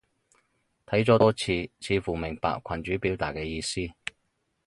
睇咗多次，似乎明白群主表達嘅意思